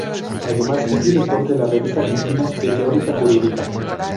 Además, es director de la Revista Argentina de Teoría Jurídica.